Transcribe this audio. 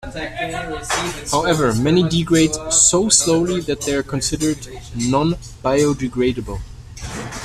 However, many degrade so slowly that they are considered non-biodegradable.